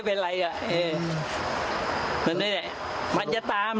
ใช่ไอละมุดไหม